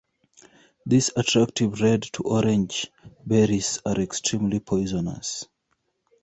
These attractive red to orange berries are extremely poisonous.